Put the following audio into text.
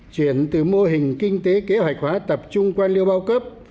chuyển từ mô hình kinh tế kế hoạch hóa tập trung quan liêu bao cấp